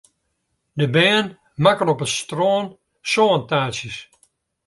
De bern makken op it strân sântaartsjes.